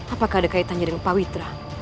apakah ada kaitannya dengan pak witra